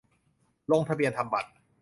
- ลงทะเบียนทำบัตร